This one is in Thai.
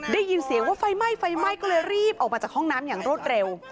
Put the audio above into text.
ได้ยินเสียงว่าไฟไหม้ไฟไหม้ก็เลยรีบออกมาจากห้องน้ำอย่างรวดเร็ว